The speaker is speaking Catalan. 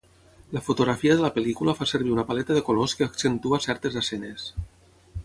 La fotografia de la pel·lícula fa servir una paleta de colors que accentua certes escenes.